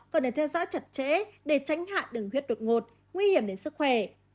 còn để theo dõi chặt chẽ để tránh hại đường huyết đột ngột nguy hiểm đến sức khỏe